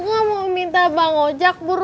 gue mau minta bang ojak